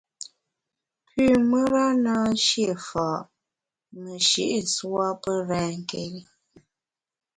Pü mùra na shié fa’ meshi’ nswa pe renké́ri.